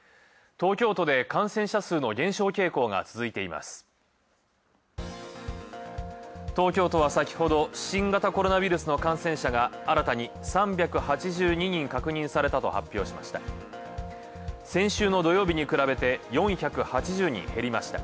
東京都は先ほど、新型コロナウイルスの感染者が新たに３８２人確認されたと発表しました。